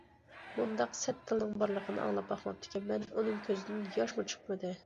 مۇنداق سەت تىلنىڭ بارلىقىنى ئاڭلاپ باقماپتىكەنمەن، ئۇنىڭ كۆزىدىن ياشمۇ چىقمىدى.